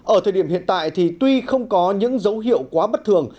ở thời điểm hiện tại thì tuy không có những dấu hiệu quá bất thường